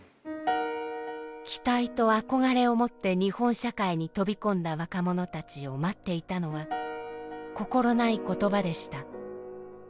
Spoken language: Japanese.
期待と憧れを持って日本社会に飛び込んだ若者たちを待っていたのは心ない言葉でした。